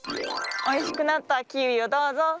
おいしくなったキウイをどうぞ。